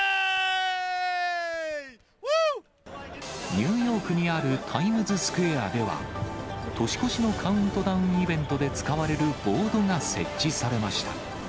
ニューヨークにあるタイムズスクエアでは、年越しのカウントダウンイベントで使われるボードが設置されました。